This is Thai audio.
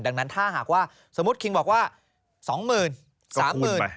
ดังนั้นถ้าหากว่าสมมุติคิงบอกว่า๒หมื่นสามหมื่น